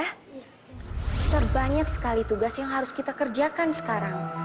kita banyak sekali tugas yang harus kita kerjakan sekarang